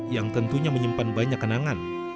yang tentunya menyimpan banyak kenangan